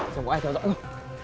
chẳng có ai theo dõi không